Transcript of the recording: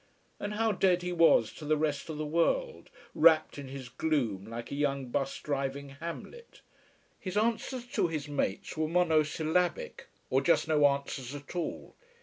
And how dead he was to the rest of the world, wrapped in his gloom like a young bus driving Hamlet. His answers to his mate were monosyllabic or just no answers at all.